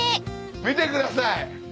見てください。